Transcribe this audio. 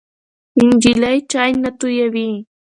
نجلۍ چای نه تویوي.